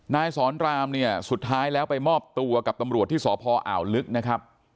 นายสอนรามเนี่ยสุดท้ายแล้วไปมอบตัวกับตำรวจที่สพอ่าวลึกนะครับ